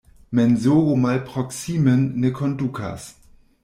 Mensogo malproksimen ne kondukas.